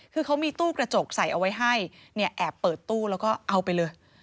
คือเขามีตู้กระจกใส่เอาไว้ให้เนี่ยแอบเปิดตู้แล้วก็เอาไปเลย